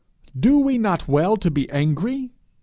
'Do we not well to be angry?'